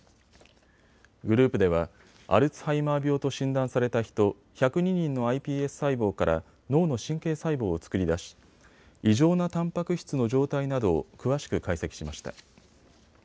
グループではアルツハイマー病と診断された人１０２人のｉＰＳ細胞から脳の神経細胞を作り出し、異常なたんぱく質の状態などを詳しく解析しました。